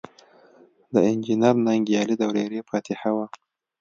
د انجنیر ننګیالي د ورېرې فاتحه وه.